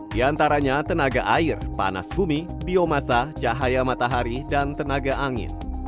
di antaranya tenaga air panas bumi biomasa cahaya matahari dan tenaga angin